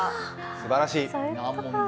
すばらしい。